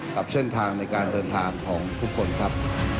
กับเส้นทางในการเดินทางของทุกคนครับ